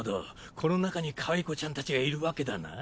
この中にかわいこちゃんたちがいるわけだな。